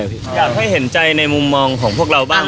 อยากให้เห็นใจในมุมมองของพวกเราบ้าง